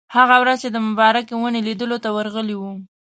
هغه ورځ چې د مبارکې ونې لیدلو ته ورغلي وو.